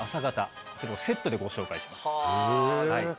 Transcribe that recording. こちらをセットでご紹介します。